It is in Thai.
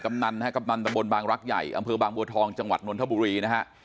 นะฮะกำนันตะบนบางรักใหญ่อำเภอบางบัวทองจังหวัดนทบุรีนะฮะ